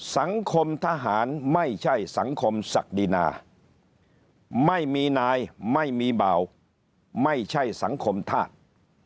สังคมทหารไม่ใช่สังคมศักดินาไม่มีนายไม่มีเบาไม่ใช่สังคมธาตุ